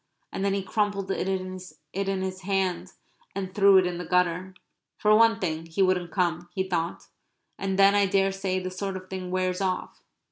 And then he crumpled it in his hand and threw it in the gutter. "For one thing he wouldn't come," he thought. "And then I daresay this sort of thing wears off."